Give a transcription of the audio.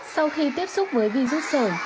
sau khi tiếp xúc với virus sở